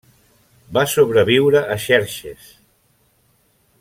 Va sobreviure a Xerxes.